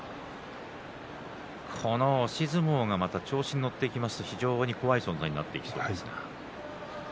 この押し相撲がまた調子に乗ってきますと非常に怖い存在になっていきそう